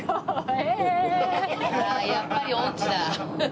やっぱり音痴だ。